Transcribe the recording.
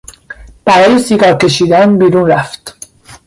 برای سیگار کشیدن بیرون رفت.